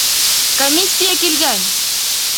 Комиссия килгән!